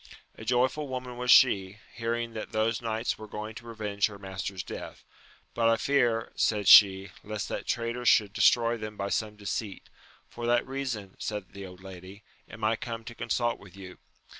A joyful woman was she, hearing that those knights were going to revenge her master's death ; but I fear, said she, lest that traitor should destroy them by some deceit : for that reason, said the old lady, am I come to consult with you.